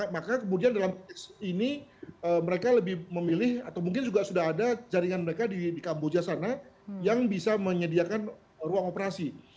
maka kemudian dalam ini mereka lebih memilih atau mungkin juga sudah ada jaringan mereka di kamboja sana yang bisa menyediakan ruang operasi